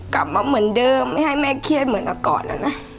กลับมาเหมือนเดิมไม่ให้แม่เครียดเหมือนก่อนนะ